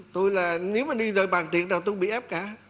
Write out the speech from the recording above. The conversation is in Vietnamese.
tôi là nếu mà đi rời bàn tiệc nào tôi cũng bị ép cả